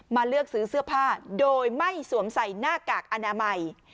เลือกซื้อเสื้อผ้าโดยไม่สวมใส่หน้ากากอนามัย